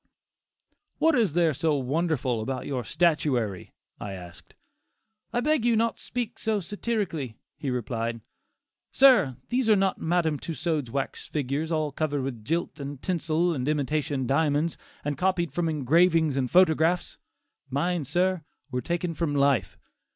"What is there so wonderful about your statuary?" I asked. "I beg you not to speak so satirically," he replied, "Sir, these are not Madam Tussaud's wax figures, all covered with gilt and tinsel and imitation diamonds, and copied from engravings and photographs. Mine, sir, were taken from life.